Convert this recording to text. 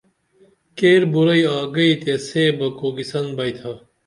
کیر بُراعی آگئی تے سے بہ کوکیسن بیئتھا